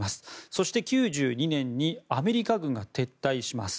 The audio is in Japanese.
そして、９２年にアメリカ軍が撤退します。